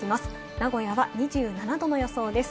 名古屋は２７度の予想です。